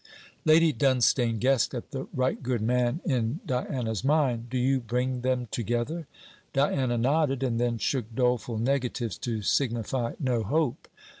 Lady Dunstane guessed at the right good man in Diana's mind. 'Do you bring them together?' Diana nodded, and then shook doleful negatives to signify no hope.